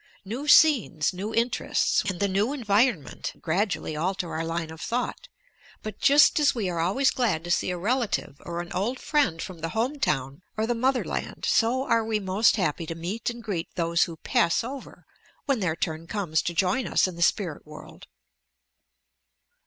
New scenes, new interests, and the new environment gradually alter our line of thought; bat just as we are always glad to see a relative or an old friend from the home town, or the "motherland," so are we most happy to meet and greet those who "pass over," when their turn comes to join us in the spirit world.